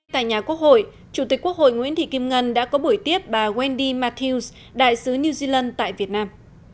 tại nhà quốc hội chủ tịch quốc hội nguyễn thị kim ngân đã có buổi tiếp bà wendy mathius đại sứ new zealand tại việt nam